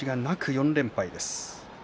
４連敗です。